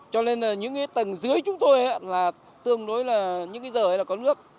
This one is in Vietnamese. cho nên là những cái tầng dưới chúng tôi là tương đối là những cái giờ là có nước